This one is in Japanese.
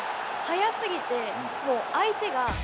速すぎてもう相手が」